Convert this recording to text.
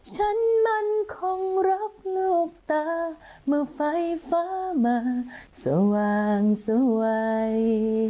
ฉันมันคงรักลูกตาเมื่อไฟฟ้ามาสว่างสวย